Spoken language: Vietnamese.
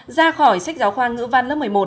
ra khỏi sách giáo khoa ngữ văn lớp một mươi một